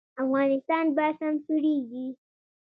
افغانستان به سمسوریږي؟